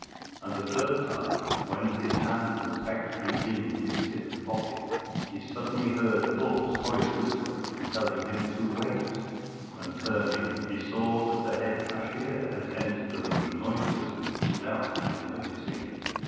And a third time, when his hand was actually in his hip pocket, he suddenly heard Thorpe's horrid whisper telling him to wait, and turning, he saw that the head cashier had entered the room noiselessly without his noticing it.